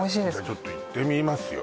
ちょっと行ってみますよ